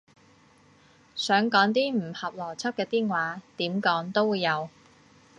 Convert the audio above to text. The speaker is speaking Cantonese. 想講啲唔合邏輯嘅癲話，點講都會有